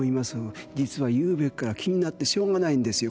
実はゆうべから気になってしょうがないんですよ。